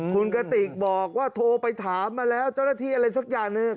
คุณกติกบอกว่าโทรไปถามมาแล้วเจ้าหน้าที่อะไรสักอย่างหนึ่ง